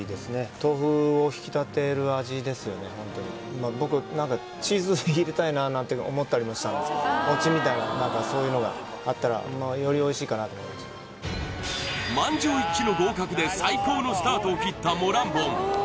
今僕何かチーズ入れたいななんて思ったりもしたんですが餅みたいな何かそういうのがあったらよりおいしいかなと思いました満場一致の合格で最高のスタートを切ったモランボン